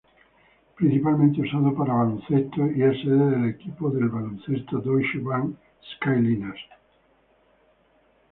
Principalmente usado para baloncesto y es sede del equipo de baloncesto Deutsche Bank Skyliners.